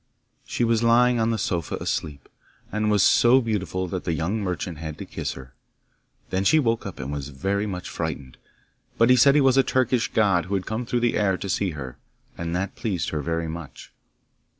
She was lying on the sofa asleep, and was so beautiful that the young merchant had to kiss her. Then she woke up and was very much frightened, but he said he was a Turkish god who had come through the air to see her, and that pleased her very much.